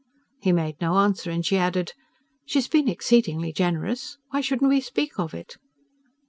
He made no answer, and she added: "She's been exceedingly generous...Why shouldn't we speak of it?"